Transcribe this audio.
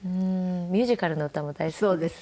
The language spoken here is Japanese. ミュージカルの歌も大好きです。